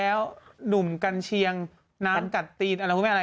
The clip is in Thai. ต้องไปด้วยกัน